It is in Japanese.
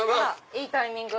いいタイミング。